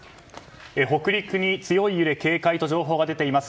北陸に強い揺れ警戒と情報が出ています。